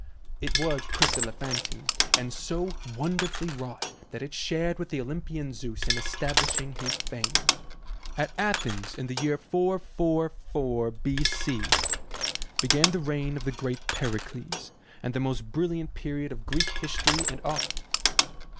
It was chryselephantine, and so wonderfully wrought that it shared with the Olympian Zeus in establishing his fame. At Athens in the year 444 B.C., began the reign of the great Pericles, and the most brilliant period of Greek history and art.